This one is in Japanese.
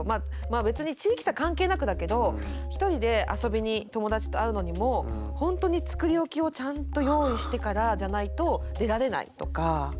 まあ別に地域差関係なくだけど一人で遊びに友達と会うのにも本当に作り置きをちゃんと用意してからじゃないと出られないとか。